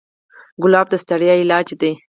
ګلاب د ستړیا علاج دی.